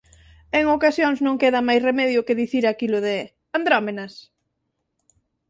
En ocasións non queda máis remedio que dicir aquilo de ¿andrómenas?